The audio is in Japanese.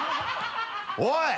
おい！